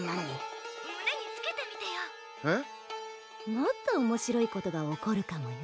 もっとおもしろいことが起こるかもよ。